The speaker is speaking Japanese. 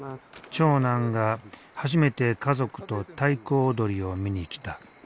長男が初めて家族と太鼓踊りを見に来た。